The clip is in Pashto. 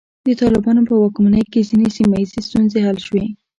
د طالبانو په واکمنۍ کې ځینې سیمه ییزې ستونزې حل شوې.